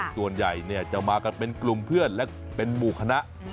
ส่วนใหญ่จะมากันเป็นกลุ่มเพื่อนและเป็นหมู่คณะ